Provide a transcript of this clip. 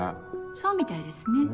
そうみたいですね。